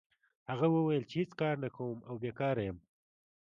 هغه وویل چې هېڅ کار نه کوم او بیکاره یم.